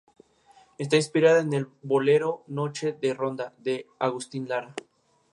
El personaje es un enemigo de la Máquina Adolescente.